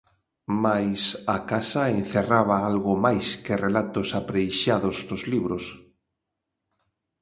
Mais a casa encerraba algo máis que relatos apreixados nos libros.